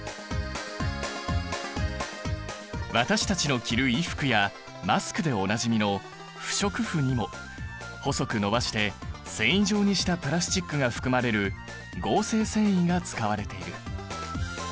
私たちの着る衣服やマスクでおなじみの不織布にも細く伸ばして繊維状にしたプラスチックが含まれる合成繊維が使われている。